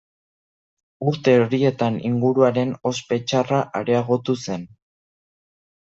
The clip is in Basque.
Urte horietan inguruaren ospe txarra areagotu zen.